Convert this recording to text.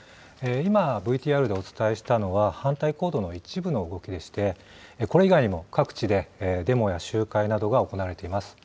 今、ＶＴＲでお伝えしたのは、反対行動の一部の動きでして、これ以外にも各地でデモや集会などが行われています。